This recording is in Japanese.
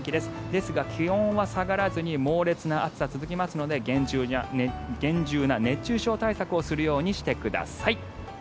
ですが、気温は下がらずに猛烈な暑さが続きますので厳重な熱中症対策をするようにしてください。